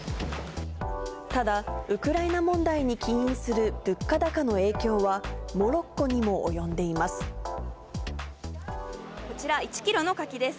ただ、ウクライナ問題に起因する物価高の影響は、モロッコにも及んでいこちら、１キロの柿です。